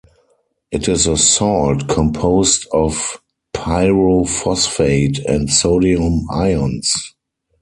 It is a salt composed of pyrophosphate and sodium ions.